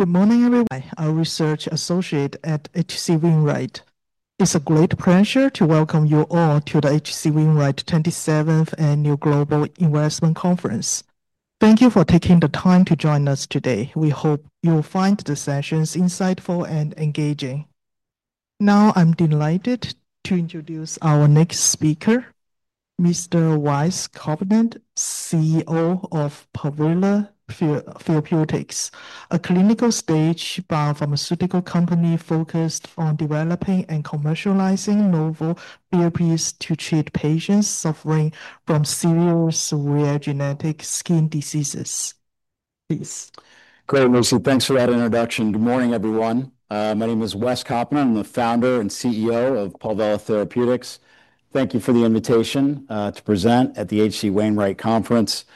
Good morning, everyone. I'm Research Associate at HC Wingright. It's a great pleasure to welcome you all to the HC Wingright 27th Annual Global Investment Conference. Thank you for taking the time to join us today. We hope you'll find the sessions insightful and engaging. Now, I'm delighted to introduce our next speaker, Mr. Wes Kaupinen, CEO of Palvella Therapeutics, a clinical-stage biopharmaceutical company focused on developing and commercializing novel therapies to treat patients suffering from serious rare genetic skin diseases. Thanks for that introduction. Good morning, everyone. My name is Wes Kaupinen. I'm the Founder and CEO of Palvella Therapeutics. Thank you for the invitation to present at the HC Wingright Conference.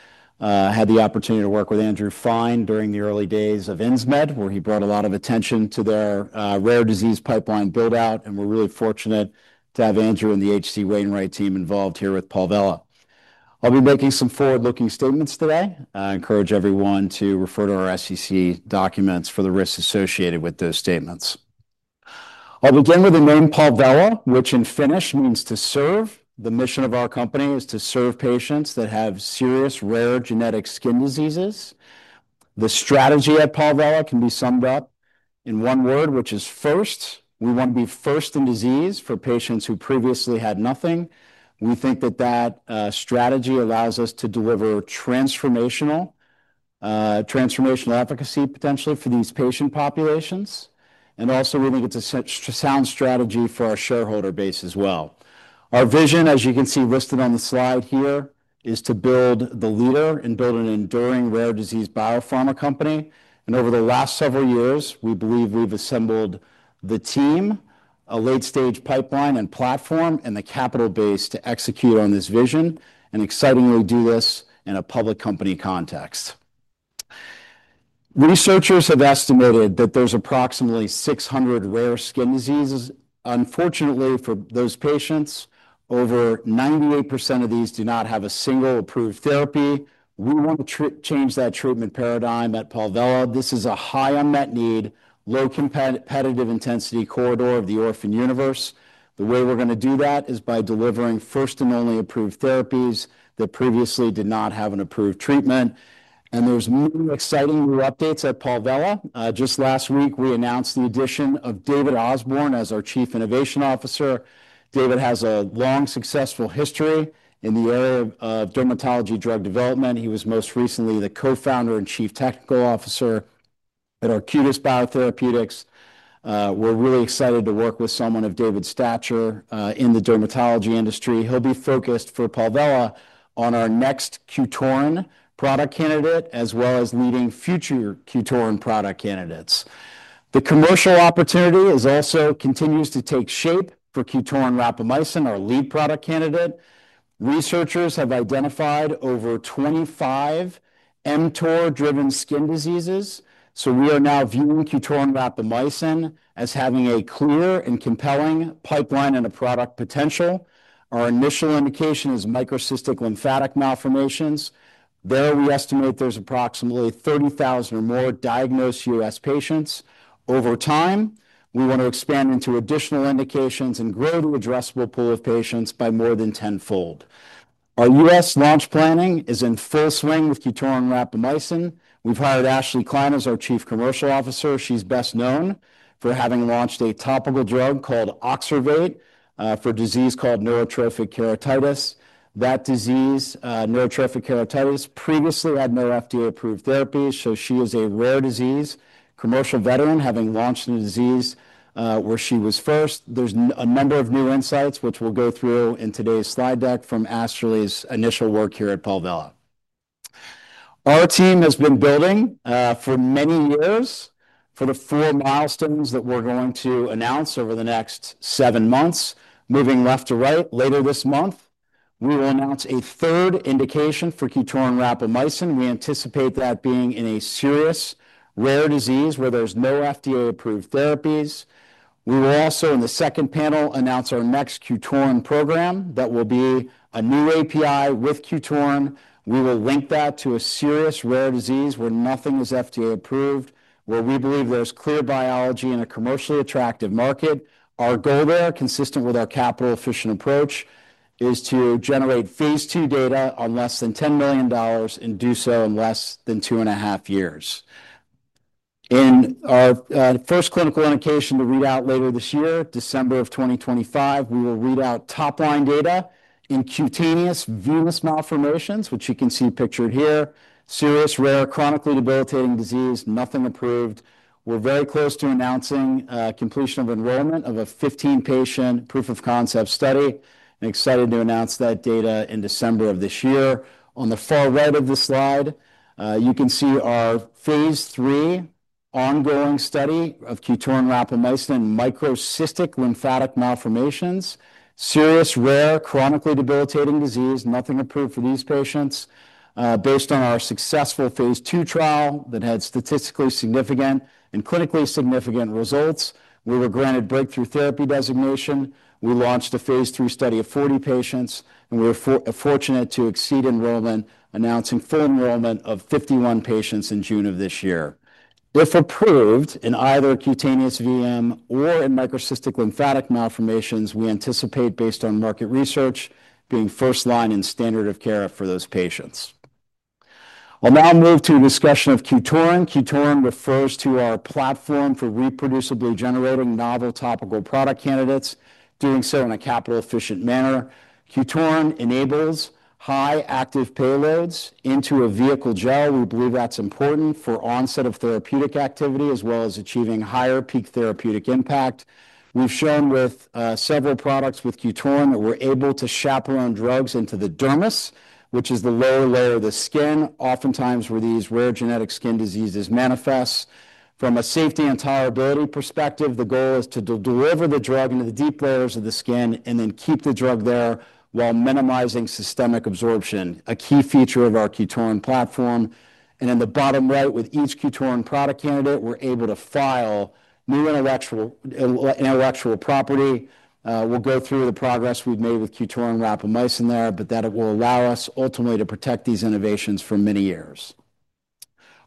I had the opportunity to work with Andrew Fine during the early days of INSMED, where he brought a lot of attention to their rare disease pipeline build-out, and we're really fortunate to have Andrew and the HC Wingright team involved here at Palvella. I'll be making some forward-looking statements today. I encourage everyone to refer to our SEC documents for the risks associated with those statements. I'll begin with the name Palvella, which in Finnish means "to serve." The mission of our company is to serve patients that have serious rare genetic skin diseases. The strategy at Palvella can be summed up in one word, which is "first." We want to be first in disease for patients who previously had nothing. We think that that strategy allows us to deliver transformational efficacy potentially for these patient populations, and also we think it's a sound strategy for our shareholder base as well. Our vision, as you can see listed on the slide here, is to build the leader in building an enduring rare disease biopharma company. Over the last several years, we believe we've assembled the team, a late-stage pipeline and platform, and the capital base to execute on this vision and excitingly do this in a public company context. Researchers have estimated that there's approximately 600 rare skin diseases. Unfortunately, for those patients, over 98% of these do not have a single approved therapy. We want to change that treatment paradigm at Palvella. This is a high unmet need, low competitive intensity corridor of the orphan universe. The way we're going to do that is by delivering first and only approved therapies that previously did not have an approved treatment. There are many exciting new updates at Palvella. Just last week, we announced the addition of David Osborne as our Chief Innovation Officer. David has a long successful history in the area of dermatology drug development. He was most recently the Co-Founder and Chief Technical Officer at Arcutis Biotherapeutics. We're really excited to work with someone of David's stature in the dermatology industry. He'll be focused for Palvella on our next QTORIN™ product candidate, as well as leading future QTORIN™ product candidates. The commercial opportunity also continues to take shape for QTORIN™ rapamycin 3.9% anhydrous gel, our lead product candidate. Researchers have identified over 25 mTOR-driven skin diseases, so we are now viewing QTORIN™ rapamycin 3.9% anhydrous gel as having a clear and compelling pipeline and a product potential. Our initial indication is microcystic lymphatic malformations. There, we estimate there's approximately 30,000 or more diagnosed U.S. patients. Over time, we want to expand into additional indications and grow the addressable pool of patients by more than tenfold. Our U.S. launch planning is in full swing with QTORIN™ rapamycin 3.9% anhydrous gel. We've hired Ashley Klein as our Chief Commercial Officer. She's best known for having launched a topical drug called Oxervate for a disease called neurotrophic keratitis. That disease, neurotrophic keratitis, previously had no FDA-approved therapy, so she is a rare disease commercial veteran having launched the disease where she was first. There's a number of new insights which we'll go through in today's slide deck from Ashley's initial work here at Palvella Therapeutics. Our team has been building for many years for the four milestones that we're going to announce over the next seven months. Moving left to right, later this month, we will announce a third indication for QTORIN™ rapamycin 3.9% anhydrous gel. We anticipate that being in a serious rare disease where there's no FDA-approved therapies. We will also, in the second panel, announce our next QTORIN™ program that will be a new API with QTORIN™. We will link that to a serious rare disease where nothing is FDA approved, where we believe there's clear biology in a commercially attractive market. Our goal there, consistent with our capital-efficient approach, is to generate phase two data on less than $10 million and do so in less than two and a half years. In our first clinical indication to read out later this year, December of 2025, we will read out top-line data in cutaneous venous malformations, which you can see pictured here, serious rare chronically debilitating disease, nothing approved. We're very close to announcing completion of enrollment of a 15-patient proof of concept study. I'm excited to announce that data in December of this year. On the far right of the slide, you can see our phase three ongoing study of QTORIN™ rapamycin 3.9% anhydrous gel in microcystic lymphatic malformations, serious rare chronically debilitating disease, nothing approved for these patients. Based on our successful phase two trial that had statistically significant and clinically significant results, we were granted breakthrough therapy designation. We launched a phase three study of 40 patients, and we were fortunate to exceed enrollment, announcing full enrollment of 51 patients in June of this year. If approved in either cutaneous venous malformations or in microcystic lymphatic malformations, we anticipate, based on market research, being first line in standard of care for those patients. I'll now move to a discussion of QTORIN™. QTORIN™ refers to our platform for reproducibly generating novel topical product candidates, doing so in a capital-efficient manner. QTORIN™ enables high active payloads into a vehicle gel. We believe that's important for onset of therapeutic activity as well as achieving higher peak therapeutic impact. We've shown with several products with QTORIN™ that we're able to chaperone drugs into the dermis, which is the lower layer of the skin, oftentimes where these rare genetic skin diseases manifest. From a safety and tolerability perspective, the goal is to deliver the drug into the deep layers of the skin and then keep the drug there while minimizing systemic absorption, a key feature of our QTORIN™ platform. In the bottom right, with each QTORIN™ product candidate, we're able to file new intellectual property. We'll go through the progress we've made with QTORIN™ rapamycin there, but that will allow us ultimately to protect these innovations for many years.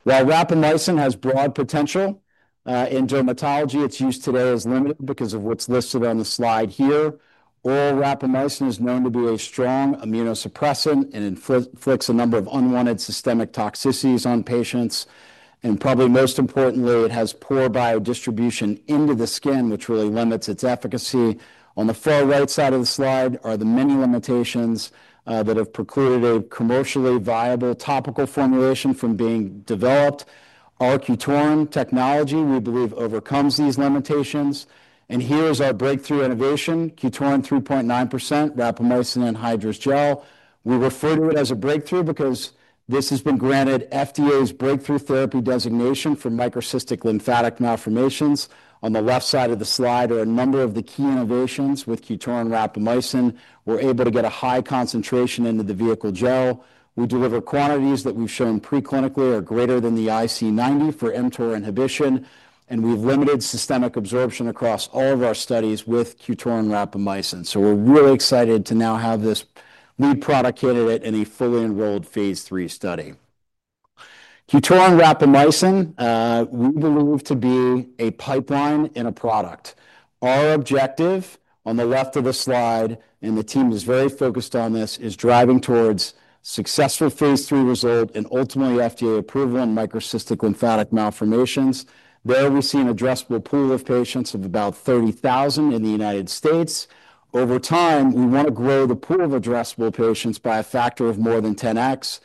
While rapamycin has broad potential in dermatology, its use today is limited because of what's listed on the slide here. Oral rapamycin is known to be a strong immunosuppressant and inflicts a number of unwanted systemic toxicities on patients. Probably most importantly, it has poor biodistribution into the skin, which really limits its efficacy. On the far right side of the slide are the many limitations that have precluded a commercially viable topical formulation from being developed. Our QTORIN™ technology, we believe, overcomes these limitations. Here is our breakthrough innovation, QTORIN™ rapamycin 3.9% anhydrous gel. We refer to it as a breakthrough because this has been granted FDA breakthrough therapy designation for microcystic lymphatic malformations. On the left side of the slide are a number of the key innovations with QTORIN™ rapamycin. We're able to get a high concentration into the vehicle gel. We deliver quantities that we've shown preclinically are greater than the IC90 for mTOR inhibition, and we've limited systemic absorption across all of our studies with QTORIN™ rapamycin. We're really excited to now have this lead product candidate in a fully enrolled phase three study. QTORIN™ rapamycin, we believe to be a pipeline in a product. Our objective on the left of the slide, and the team is very focused on this, is driving towards successful phase three result and ultimately FDA approval in microcystic lymphatic malformations. There, we see an addressable pool of patients of about 30,000 in the United States. Over time, we want to grow the pool of addressable patients by a factor of more than 10x.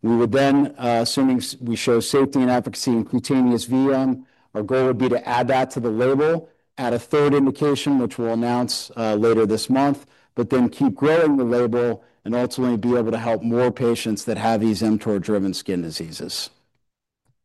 We would then, assuming we show safety and efficacy in cutaneous venous malformations, our goal would be to add that to the label, add a third indication, which we'll announce later this month, but then keep growing the label and ultimately be able to help more patients that have these mTOR-driven skin diseases.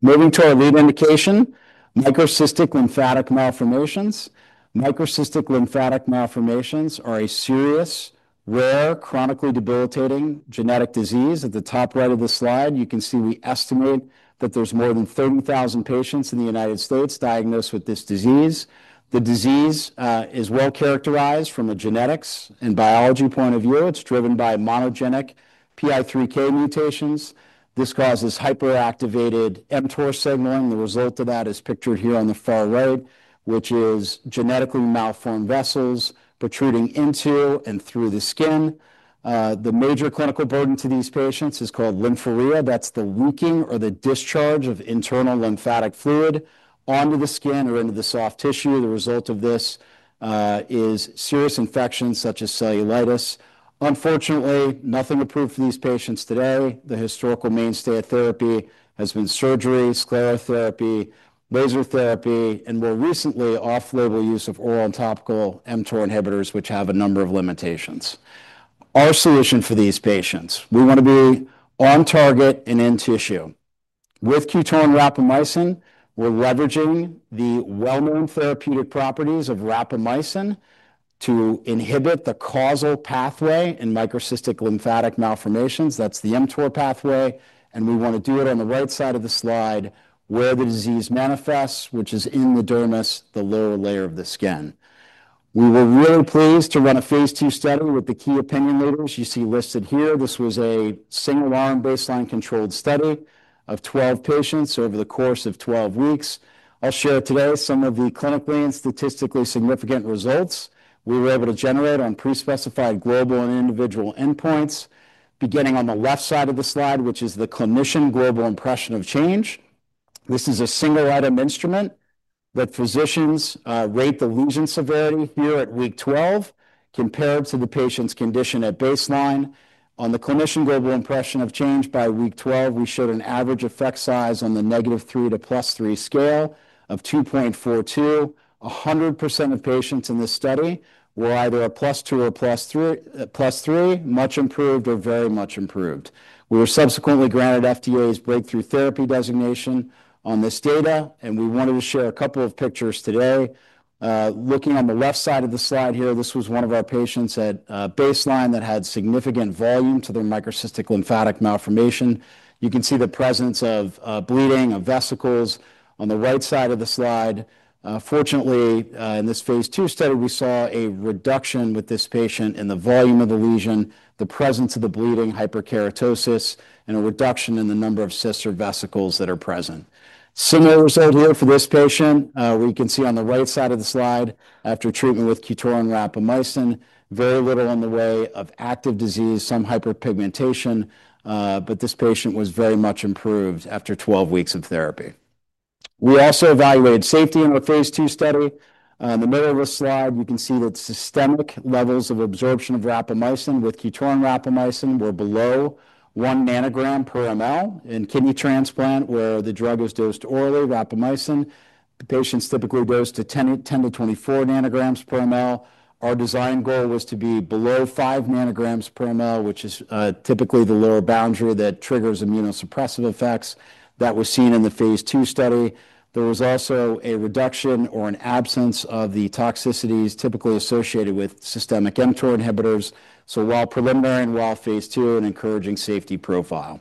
Moving to our lead indication, microcystic lymphatic malformations. Microcystic lymphatic malformations are a serious rare chronically debilitating genetic disease. At the top right of the slide, you can see we estimate that there's more than 30,000 patients in the United States diagnosed with this disease. The disease is well characterized from a genetics and biology point of view. It's driven by monogenic PI3K mutations. This causes hyperactivated mTOR signaling. The result of that is pictured here on the far right, which is genetically malformed vessels protruding into and through the skin. The major clinical burden to these patients is called lymphorrhea. That's the leaking or the discharge of internal lymphatic fluid onto the skin or into the soft tissue. The result of this is serious infections such as cellulitis. Unfortunately, nothing approved for these patients today. The historical mainstay of therapy has been surgery, sclerotherapy, laser therapy, and more recently, off-label use of oral and topical mTOR inhibitors, which have a number of limitations. Our solution for these patients, we want to be on target and in tissue. With QTORIN™ rapamycin, we're leveraging the well-known therapeutic properties of rapamycin to inhibit the causal pathway in microcystic lymphatic malformations. That's the mTOR pathway. We want to do it on the right side of the slide where the disease manifests, which is in the dermis, the lower layer of the skin. We were really pleased to run a phase two study with the key opinion leaders you see listed here. This was a single-arm, baseline-controlled study of 12 patients over the course of 12 weeks. I'll share today some of the clinically and statistically significant results we were able to generate on pre-specified global and individual endpoints. Beginning on the left side of the slide, which is the clinician global impression of change, this is a single-item instrument that physicians rate the lesion severity here at week 12 compared to the patient's condition at baseline. On the clinician global impression of change by week 12, we showed an average effect size on the negative 3 to plus 3 scale of 2.42. 100% of patients in this study were either a plus 2 or plus 3, much improved or very much improved. We were subsequently granted FDA breakthrough therapy designation on this data, and we wanted to share a couple of pictures today. Looking on the left side of the slide here, this was one of our patients at baseline that had significant volume to their microcystic lymphatic malformation. You can see the presence of bleeding of vesicles on the right side of the slide. Fortunately, in this phase two study, we saw a reduction with this patient in the volume of the lesion, the presence of the bleeding hyperkeratosis, and a reduction in the number of cysts or vesicles that are present. Similar result here for this patient, where you can see on the right side of the slide, after treatment with QTORIN™ rapamycin, very little in the way of active disease, some hyperpigmentation, but this patient was very much improved after 12 weeks of therapy. We also evaluated safety in a phase two study. In the middle of the slide, you can see that systemic levels of absorption of rapamycin with QTORIN™ rapamycin were below 1 ng/mL. In kidney transplant where the drug was dosed orally, rapamycin, the patients typically dosed to 10 to 24 ng/mL. Our design goal was to be below 5 ng/mL, which is typically the lower boundary that triggers immunosuppressive effects that were seen in the phase two study. There was also a reduction or an absence of the toxicities typically associated with systemic mTOR inhibitors, so while preliminary and while phase two and encouraging safety profile.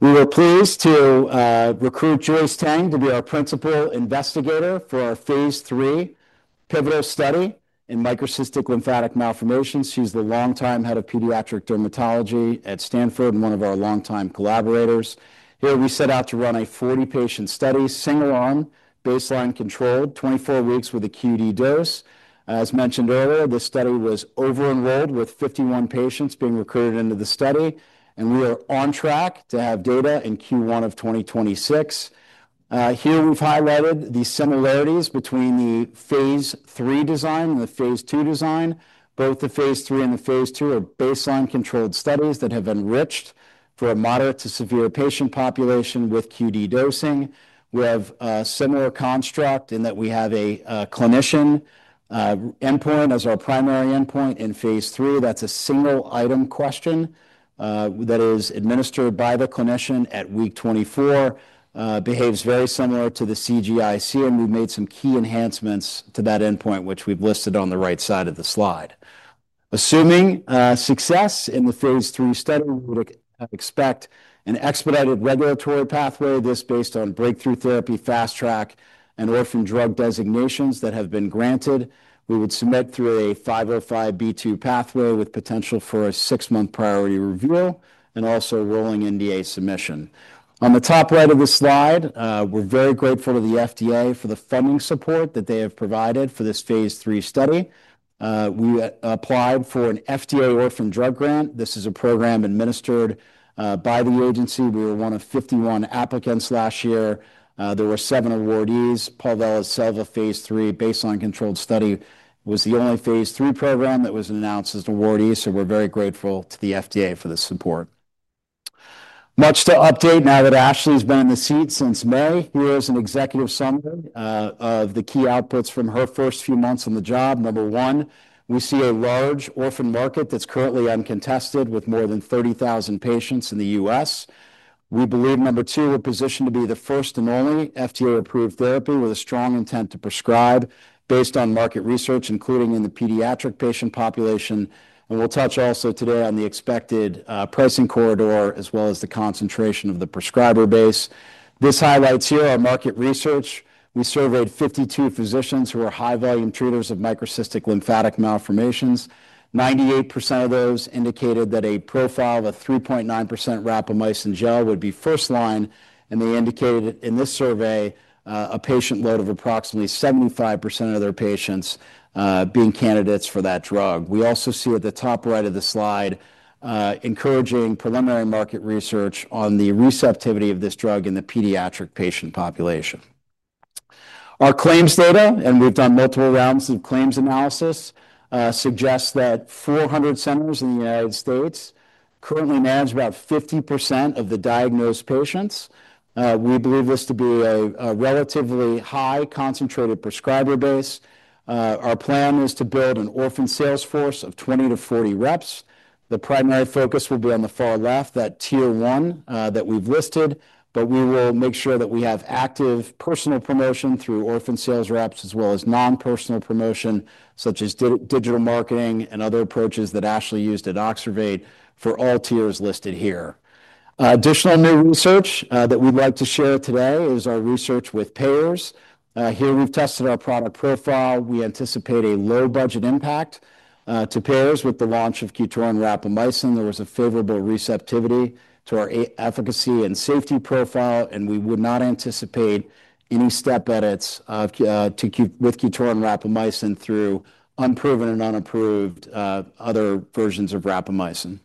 We were pleased to recruit Joyce Teng to be our principal investigator for our phase three pivotal study in microcystic lymphatic malformations. She's the longtime head of Pediatric Dermatology at Stanford and one of our longtime collaborators. Here, we set out to run a 40-patient study, single-arm, baseline-controlled, 24 weeks with a QD dose. As mentioned earlier, this study was over-enrolled with 51 patients being recruited into the study, and we are on track to have data in Q1 of 2026. Here, we've highlighted the similarities between the phase three design and the phase two design. Both the phase three and the phase two are baseline-controlled studies that have enriched for a moderate to severe patient population with QD dosing. We have a similar construct in that we have a clinician endpoint as our primary endpoint in phase three. That's a single-item question that is administered by the clinician at week 24. It behaves very similar to the CGIC, and we've made some key enhancements to that endpoint, which we've listed on the right side of the slide. Assuming success in the phase three study, we would expect an expedited regulatory pathway just based on breakthrough therapy, fast track, and orphan drug designations that have been granted. We would submit through a 505(b)(2) pathway with potential for a six-month priority review and also rolling NDA submission. On the top right of the slide, we're very grateful to the FDA for the funding support that they have provided for this phase three study. We applied for an FDA orphan drug grant. This is a program administered by the agency. We were one of 51 applicants last year. There were seven awardees. Palvella phase three baseline-controlled study was the only phase three program that was announced as an awardee, so we're very grateful to the FDA for the support. Much to update now that Ashley's been in the seat since May, here is an executive summary of the key outputs from her first few months on the job. Number one, we see a large orphan market that's currently uncontested with more than 30,000 patients in the U.S. We believe, number two, we're positioned to be the first and only FDA-approved therapy with a strong intent to prescribe based on market research, including in the pediatric patient population. We'll touch also today on the expected pricing corridor as well as the concentration of the prescriber base. This highlights here our market research. We surveyed 52 physicians who are high-volume treaters of microcystic lymphatic malformations. 98% of those indicated that a profile of 3.9% rapamycin gel would be first line, and they indicated in this survey a patient load of approximately 75% of their patients being candidates for that drug. We also see at the top right of the slide encouraging preliminary market research on the receptivity of this drug in the pediatric patient population. Our claims data, and we've done multiple rounds of claims analysis, suggests that 400 centers in the U.S. currently manage about 50% of the diagnosed patients. We believe this to be a relatively high concentrated prescriber base. Our plan is to build an orphan sales force of 20 to 40 reps. The primary focus will be on the far left, that tier one that we've listed, but we will make sure that we have active personal promotion through orphan sales reps as well as non-personal promotion such as digital marketing and other approaches that Ashley used at Oxervate for all tiers listed here. Additional new research that we'd like to share today is our research with payers. Here, we've tested our product profile. We anticipate a low budget impact to payers with the launch of QTORIN™ rapamycin 3.9% anhydrous gel. There was a favorable receptivity to our efficacy and safety profile, and we would not anticipate any step edits with QTORIN™ rapamycin 3.9% anhydrous gel through unproven and unapproved other versions of rapamycin.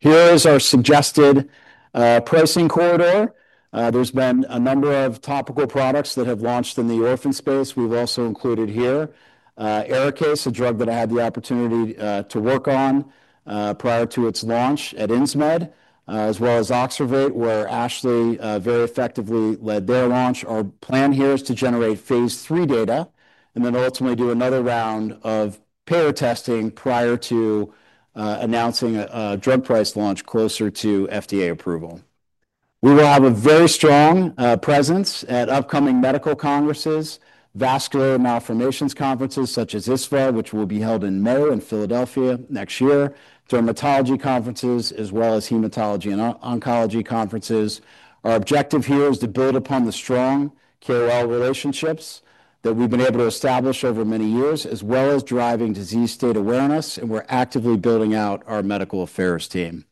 Here is our suggested pricing corridor. There's been a number of topical products that have launched in the orphan space we've also included here. EraCase, a drug that I had the opportunity to work on prior to its launch at INSMED, as well as Oxervate, where Ashley very effectively led their launch. Our plan here is to generate phase three data and then ultimately do another round of payer testing prior to announcing a drug price launch closer to FDA approval. We will have a very strong presence at upcoming medical congresses, vascular malformations conferences such as ISFAR, which will be held in May in Philadelphia next year, dermatology conferences, as well as hematology and oncology conferences. Our objective here is to build upon the strong KI relationships that we've been able to establish over many years, as well as driving disease state awareness, and we're actively building out our medical affairs team.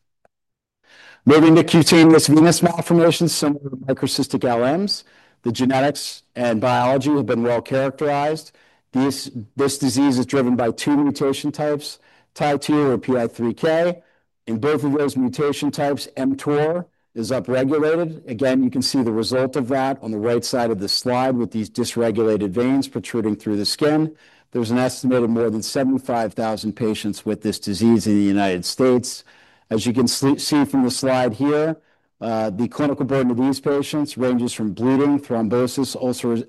Moving to cutaneous venous malformations, similar to microcystic LMs, the genetics and biology have been well characterized. This disease is driven by two mutation types, TI2 or PI3K. In both of those mutation types, mTOR is upregulated. Again, you can see the result of that on the right side of the slide with these dysregulated veins protruding through the skin. There's an estimate of more than 75,000 patients with this disease in the United States. As you can see from the slide here, the clinical burden of these patients ranges from bleeding, thrombosis,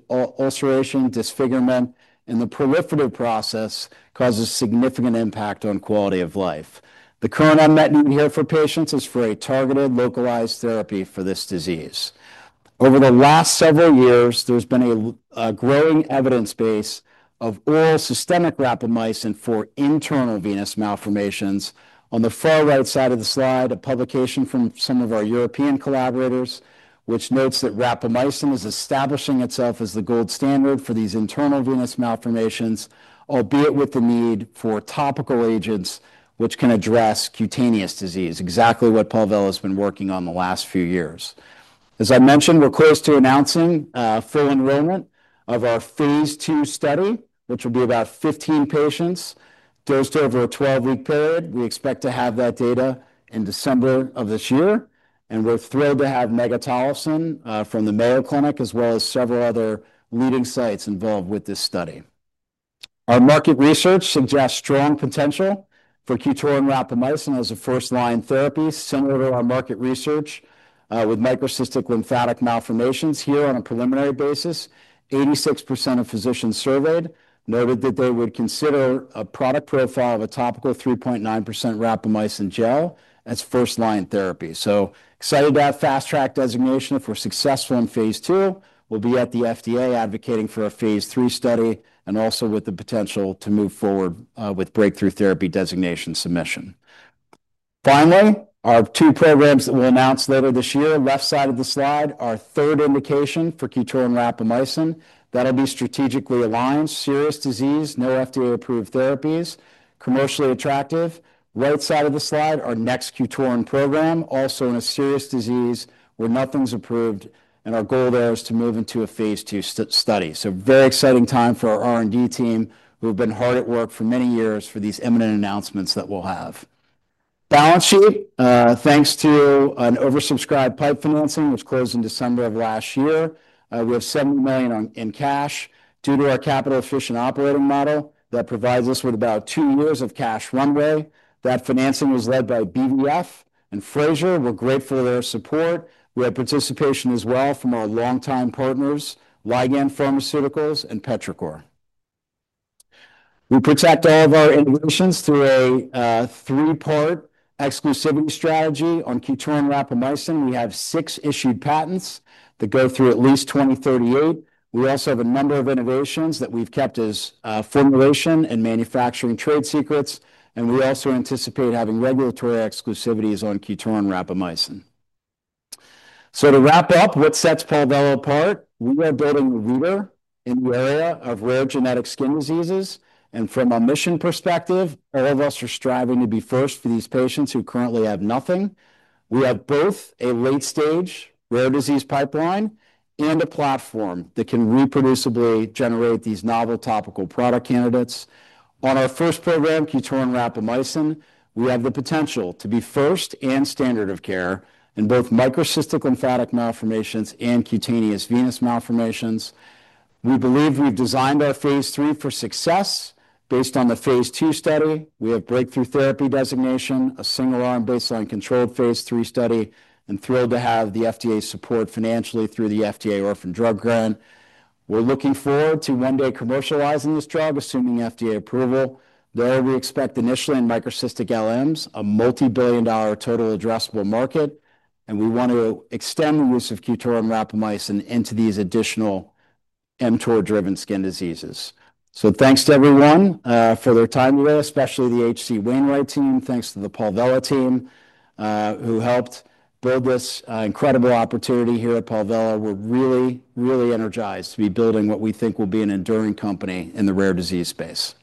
ulceration, disfigurement, and the proliferative process causes significant impact on quality of life. The current unmet need here for patients is for a targeted localized therapy for this disease. Over the last several years, there's been a growing evidence base of oral systemic rapamycin for internal venous malformations. On the far right side of the slide, a publication from some of our European collaborators, which notes that rapamycin is establishing itself as the gold standard for these internal venous malformations, albeit with the need for topical agents which can address cutaneous disease, exactly what Palvella Therapeutics has been working on the last few years. As I mentioned, we're close to announcing full enrollment of our phase two study, which will be about 15 patients dosed over a 12-week period. We expect to have that data in December of this year, and we're thrilled to have Megatolleson from the Mayo Clinic as well as several other leading sites involved with this study. Our market research suggests strong potential for QTORIN™ rapamycin 3.9% anhydrous gel as a first-line therapy, similar to our market research with microcystic lymphatic malformations. Here on a preliminary basis, 86% of physicians surveyed noted that they would consider a product profile of a topical 3.9% rapamycin gel as first-line therapy. Excited to have fast track designation. If we're successful in phase two, we'll be at the FDA advocating for a phase three study and also with the potential to move forward with breakthrough therapy designation submission. Finally, our two programs that we'll announce later this year, left side of the slide, our third indication for QTORIN™ rapamycin. That'll be strategically aligned, serious disease, no FDA approved therapies, commercially attractive. Right side of the slide, our next QTORIN™ program, also in a serious disease where nothing's approved, and our goal there is to move into a phase two study. Very exciting time for our R&D team who have been hard at work for many years for these imminent announcements that we'll have. Balance sheet, thanks to an oversubscribed PIPE financing which closed in December of last year, we have $7 million in cash due to our capital-efficient operating model that provides us with about two years of cash runway. That financing is led by BVF and Frazier. We're grateful to their support. We have participation as well from our longtime partners, Ligand Pharmaceuticals and Petrichor. We protect all of our innovations through a three-part exclusivity strategy on QTORIN™ rapamycin 3.9% anhydrous gel. We have six issued patents that go through at least 2038. We also have a number of innovations that we've kept as formulation and manufacturing trade secrets, and we also anticipate having regulatory exclusivities on QTORIN™ rapamycin 3.9% anhydrous gel. To wrap up, what sets Palvella Therapeutics apart? We are building a leader in the area of rare genetic skin diseases, and from a mission perspective, all of us are striving to be first for these patients who currently have nothing. We have both a late-stage rare disease pipeline and a platform that can reproducibly generate these novel topical product candidates. On our first program, QTORIN™ rapamycin 3.9% anhydrous gel, we have the potential to be first and standard of care in both microcystic lymphatic malformations and cutaneous venous malformations. We believe we've designed our phase three for success. Based on the phase two study, we have breakthrough therapy designation, a single-arm, baseline-controlled phase three study, and are thrilled to have the FDA support financially through the FDA orphan drug grant. We're looking forward to one day commercializing this drug, assuming FDA approval. There, we expect initially in microcystic LMs, a multi-billion dollar total addressable market, and we want to extend the use of QTORIN™ rapamycin 3.9% anhydrous gel into these additional mTOR-driven skin diseases. Thanks to everyone for their time today, especially the HC Wingright team. Thanks to the Palvella Therapeutics team who helped. Very blessed. Incredible opportunity here at Palvella Therapeutics. We're really, really energized to be building what we think will be an enduring company in the rare disease space. Thanks.